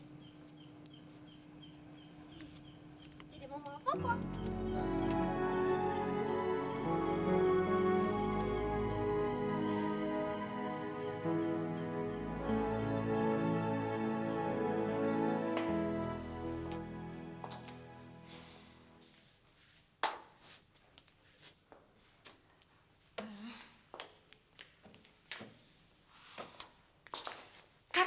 tidur mau ngapain